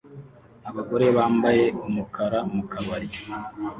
Abagore bambaye umukara mu kabari